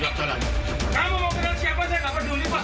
kamu mau kenal siapa saya nggak peduli pak